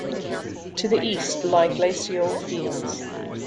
To the east lie glacial fields.